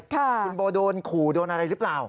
คุณโบโดนขู่โดนอะไรหรือเปล่า